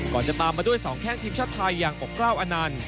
ก็จะตามมาด้วยสองแข่งทีมชาติไทยอย่างปกร้าวอานัล